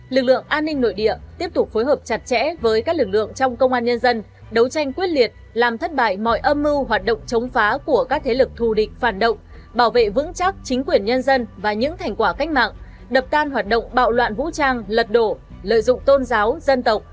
lực lượng an ninh nội địa tiếp tục phối hợp chặt chẽ với các lực lượng trong công an nhân dân đấu tranh quyết liệt làm thất bại mọi âm mưu hoạt động chống phá của các thế lực thù địch phản động bảo vệ vững chắc chính quyền nhân dân và những thành quả cách mạng đập tan hoạt động bạo loạn vũ trang lật đổ lợi dụng tôn giáo dân tộc